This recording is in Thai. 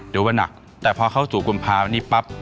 ดูว่านักแต่พอเข้าสู่กุมภาวันนี้ปั๊บ